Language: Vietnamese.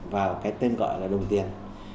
và cái tên gọi là đồng tiền